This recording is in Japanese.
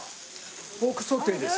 ポークソテーです。